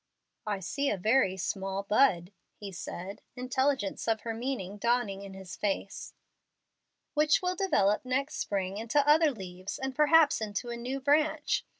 "I see a very small bud," he said, intelligence of her meaning dawning in his face. "Which will develop next spring into other leaves and perhaps into a new branch.